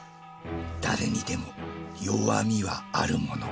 誰にでも弱みはあるもの。